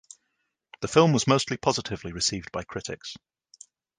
The film was mostly positively received by critics.